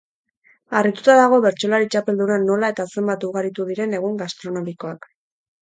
Harrituta dago bertsolari txapelduna nola eta zenbat ugaritu diren egun gastronomikoak.